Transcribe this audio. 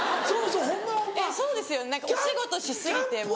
そうですよねお仕事し過ぎてもう。